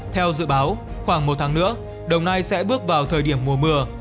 theo dự báo khoảng một tháng nữa đồng nai sẽ bước vào thời điểm mùa mưa